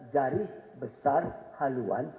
garis besar haluan